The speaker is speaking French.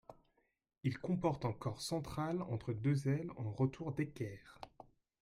Il comporte un corps central entre deux ailes en retour d'équerre.